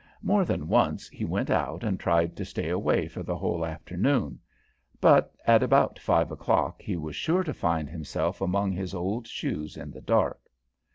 More than once he went out and tried to stay away for the whole afternoon, but at about five o'clock he was sure to find himself among his old shoes in the dark.